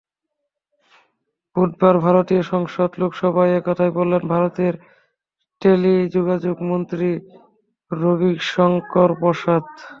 বুধবার ভারতীয় সংসদ লোকসভায় এ কথা বলেছেন ভারতের টেলিযোগাযোগমন্ত্রী রবিশংকর প্রসাদ।